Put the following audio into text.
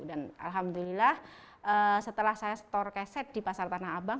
dan alhamdulillah setelah saya store keset di pasar tanah abang